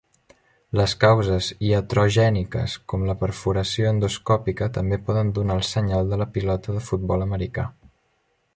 Les causes iatrogèniques com la perforació endoscòpica també poden donar el senyal de la pilota de futbol americà.